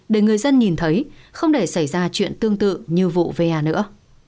để người dân nhìn thấy không để xảy ra chuyện tương tự như vụ va nữa